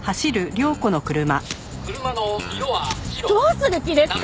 「車の色は白」どうする気ですか！？